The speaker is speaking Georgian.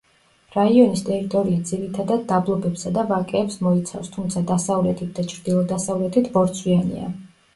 რაიონის ტერიტორია ძირითადად დაბლობებსა და ვაკეებს მოიცავს, თუმცა დასავლეთით და ჩრდილო-დასავლეთით ბორცვიანია.